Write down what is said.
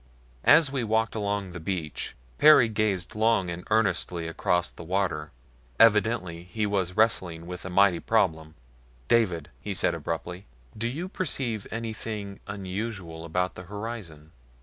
As we walked along the beach Perry gazed long and earnestly across the water. Evidently he was wrestling with a mighty problem. "David," he said abruptly, "do you perceive anything unusual about the horizon?"